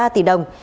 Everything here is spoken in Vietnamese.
một ba tỷ đồng